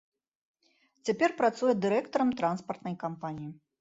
Цяпер працуе дырэктарам транспартнай кампаніі.